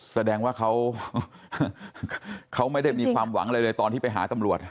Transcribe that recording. แสดงว่าเขาไม่ได้มีความหวังอะไรเลยตอนที่ไปหาตำรวจ